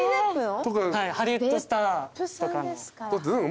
ハリウッドスターとかの。